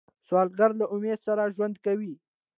سوالګر له امید سره ژوند کوي